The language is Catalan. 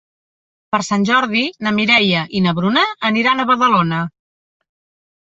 Per Sant Jordi na Mireia i na Bruna aniran a Badalona.